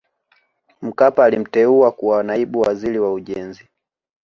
Mkapa alimteua kuwa Naibu Waziri wa Ujenzi